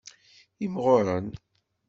Imɣuren.